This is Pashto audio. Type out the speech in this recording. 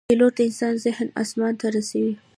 پیلوټ د انسان ذهن آسمان ته رسوي.